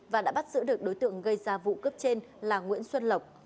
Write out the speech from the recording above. và đã bắt giữ được đối tượng gây ra vụ cướp trên là nguyễn xuân lộc